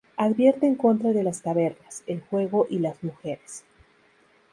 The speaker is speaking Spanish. Advierte en contra de las tabernas, el juego y las mujeres.